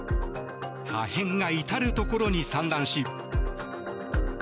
破片が至るところに散乱し。